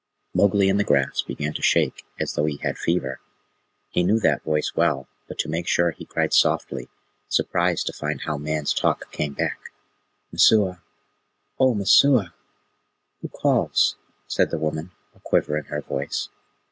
Mowgli in the grass began to shake as though he had fever. He knew that voice well, but to make sure he cried softly, surprised to find how man's talk came back, "Messua! O Messua!" "Who calls?" said the woman, a quiver in her voice.